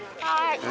はい。